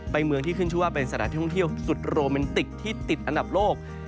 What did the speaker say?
เมืองที่ขึ้นชื่อว่าเป็นสถานที่ท่องเที่ยวสุดโรแมนติกที่ติดอันดับโลก